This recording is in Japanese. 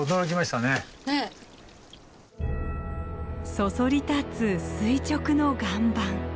そそり立つ垂直の岩盤。